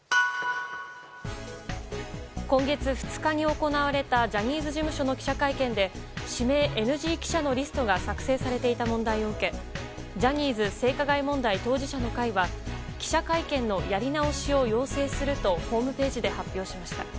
今月２日に行われたジャニーズ事務所の記者会見で指名ＮＧ記者のリストが作成されていた問題を受けジャニーズ性加害問題当事者の会は記者会見のやり直しを要請するとホームページで発表しました。